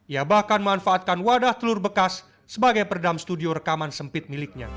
ia bahkan memanfaatkan wadah telur bekas sebagai perdam studio rekaman sempit miliknya